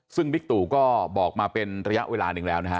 ซึ่งบิ๊กตู่ก็บอกมาเป็นระยะเวลาหนึ่งแล้วนะฮะ